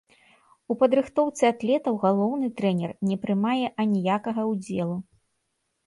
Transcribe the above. У падрыхтоўцы атлетаў галоўны трэнер не прымае аніякага ўдзелу.